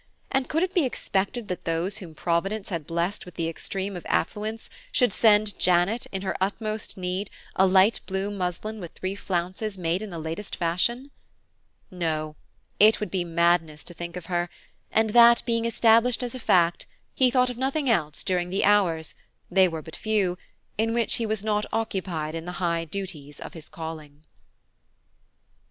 and could it be expected that those whom Providence had blessed with the extreme of affluence should send Janet, in her utmost need, a blue light muslin with three flounces made in the last fashion? No, it would be madness to think of her, and that being established as a fact, he thought of nothing else during the hours–they were but few–in which he was not occupied in the high duties of his calling.